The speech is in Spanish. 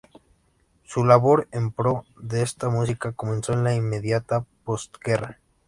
Su labor en pro de esta música comenzó en la inmediata postguerra.